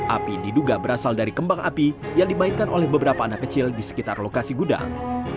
api diduga berasal dari kembang api yang dimainkan oleh beberapa anak kecil di sekitar lokasi gudang